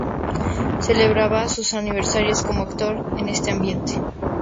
Celebraba sus aniversarios como actor en este ambiente.